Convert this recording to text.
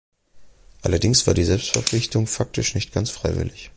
Allerdings war die Selbstverpflichtung faktisch nicht ganz freiwillig.